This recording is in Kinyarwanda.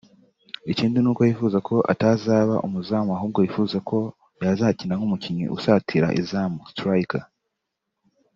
Ikindi ni uko yifuza ko atazaba umuzamu ahubwo yifuza ko yazakina nk'umukinnyi usatira izamu (striker)